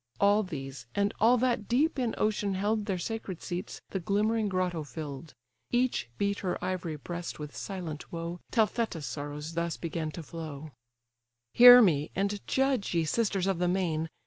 All these, and all that deep in ocean held Their sacred seats, the glimmering grotto fill'd; Each beat her ivory breast with silent woe, Till Thetis' sorrows thus began to flow: "Hear me, and judge, ye sisters of the main!